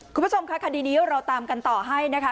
คุณผู้ชมค่ะคดีนี้เราตามกันต่อให้นะคะ